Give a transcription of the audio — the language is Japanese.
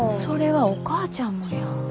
それはお母ちゃんもや。